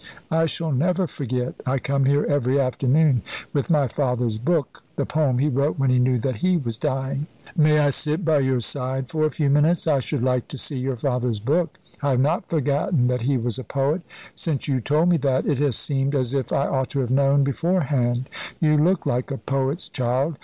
"I shall never forget. I come here every afternoon with my father's book the poem he wrote when he knew that he was dying." "May I sit by your side for a few minutes? I should like to see your father's book. I have not forgotten that he was a poet. Since you told me that, it has seemed as if I ought to have known beforehand. You look like a poet's child.